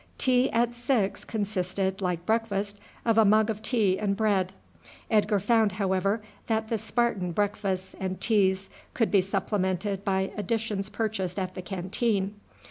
Tea at six consisted, like breakfast, of a mug of tea and bread. Edgar found, however, that the Spartan breakfasts and teas could be supplemented by additions purchased at the canteen.